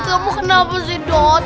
kamu kenapa sih jod